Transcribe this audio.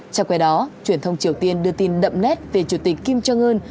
trong quay đó truyền thông triều tiên đưa tin đậm nét về chủ tịch kim jong un